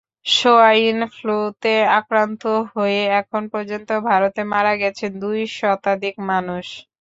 Swine ফ্লুতে আক্রান্ত হয়ে এখন পর্যন্ত ভারতে মারা গেছেন দুই শতাধিক মানুষ।